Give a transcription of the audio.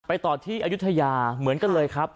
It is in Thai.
ต่อที่อายุทยาเหมือนกันเลยครับ